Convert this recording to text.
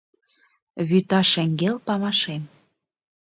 Вӱта шеҥгел памашем